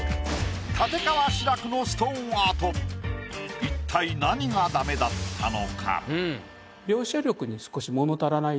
立川志らくのストーンアート一体何がダメだったのか？